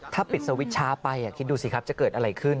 ถ้าปิดสวิตช์ช้าไปคิดดูสิครับจะเกิดอะไรขึ้น